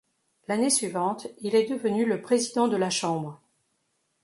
L'année suivante, il est devenu le président de la Chambre.